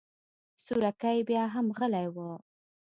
سورکی بياهم غلی و.